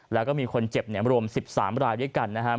แล้วก็มีคนเจ็บรวม๑๓รายด้วยกันนะครับ